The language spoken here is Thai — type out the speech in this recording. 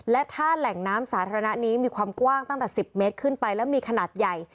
และถ้าแหล่งน้ำสาธารณะนี้มีความกว้างตั้งแต่๑๐เมตรขึ้นไปแล้วมีขนาดใหญ่